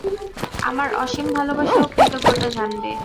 আমার অসীম ভালবাসা ও কৃতজ্ঞতা জানবে।